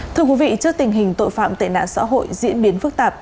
trước tình hình tội phạm tệ nạn xã hội diễn biến phức tạp